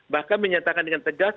bahkan menyatakan dengan tegas